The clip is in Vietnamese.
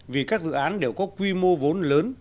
vì các dự án đều có quy mô vốn lớn